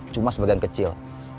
cuma sebagian kecil